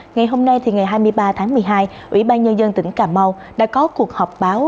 ngày hôm nay ngày hai mươi ba tháng một mươi hai ủy ban nhân dân tỉnh cà mau đã có cuộc họp báo